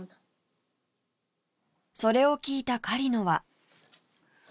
それを聞いた狩野は